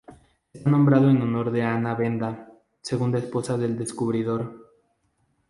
Está nombrado en honor de Anna Benda, segunda esposa del descubridor.